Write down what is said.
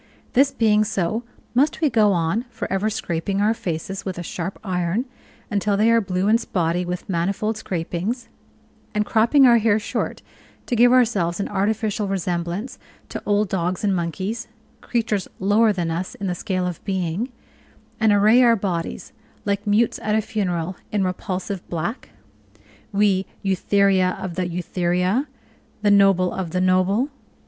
This being so, must we go on for ever scraping our faces with a sharp iron, until they are blue and spotty with manifold scrapings; and cropping our hair short to give ourselves an artificial resemblance to old dogs and monkeys creatures lower than us in the scale of being and array our bodies, like mutes at a funeral, in repulsive black we, "Eutheria of the Eutheria, the noble of the noble?"